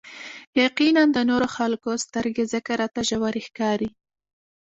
يقيناً د نورو خلکو سترګې ځکه راته ژورې ښکاري.